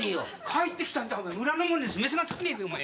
帰ってきたってお前村の者に示しがつかねえべお前よ。